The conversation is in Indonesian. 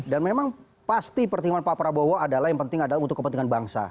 dan memang pasti pertimbangan pak prabowo adalah yang penting adalah untuk kepentingan bangsa